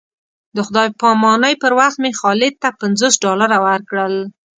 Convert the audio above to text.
د خدای په امانۍ پر وخت مې خالد ته پنځوس ډالره ورکړل.